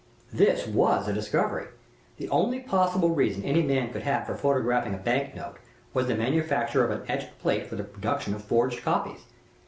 This was a discovery. The only possible reason any man could have for photographing a bank note was the manufacture of an etched plate for the production of forged copies.